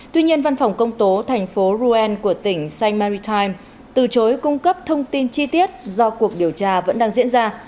tuy nhiên văn phòng công tố thành phố ruel của tỉnh saint maritime từ chối cung cấp thông tin chi tiết do cuộc điều tra vẫn đang diễn ra